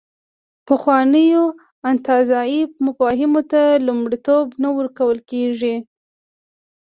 پخوانیو انتزاعي مفاهیمو ته لومړیتوب نه ورکول کېږي.